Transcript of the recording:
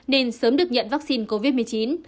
nên sớm được nhận vaccine covid một mươi chín